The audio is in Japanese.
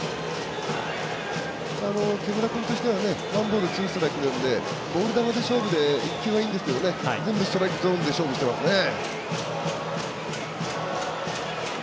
木村君としてはワンボールツーストライクなんでボール球で勝負で１球はいいんですけど全部、ストライク球で勝負してますね。